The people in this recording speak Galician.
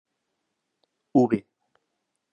Uve